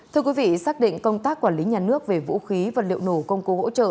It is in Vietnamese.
thưa quý vị xác định công tác quản lý nhà nước về vũ khí vật liệu nổ công cụ hỗ trợ